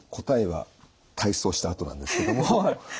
答えは体操したあとなんですけども。